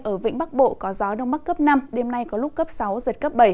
ở vĩnh bắc bộ có gió đông bắc cấp năm đêm nay có lúc cấp sáu giật cấp bảy